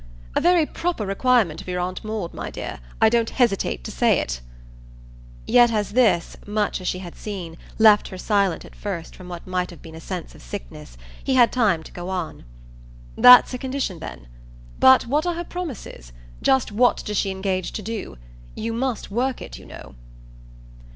"A very proper requirement of your Aunt Maud, my dear I don't hesitate to say it!" Yet as this, much as she had seen, left her silent at first from what might have been a sense of sickness, he had time to go on: "That's her condition then. But what are her promises? Just what does she engage to do? You must work it, you know."